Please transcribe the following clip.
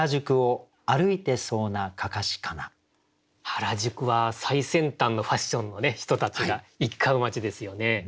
原宿は最先端のファッションの人たちが行き交う街ですよね。